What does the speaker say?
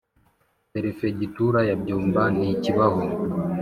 perefegitura ya Byumba ntikibaho